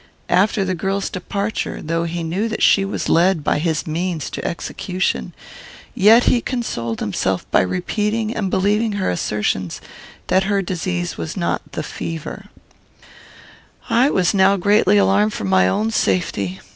After the girl's departure, though he knew that she was led by his means to execution, yet he consoled himself by repeating and believing her assertions, that her disease was not the fever. "I was now greatly alarmed for my own safety.